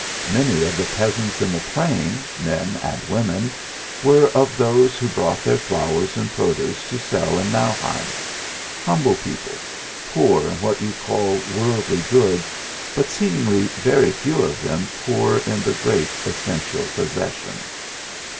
Many of the peasants in the plain, men and women, were of those who brought their flowers and produce to sell in Nauheim humble people, poor in what you call worldly goods, but seemingly very few of them poor in the great essential possession.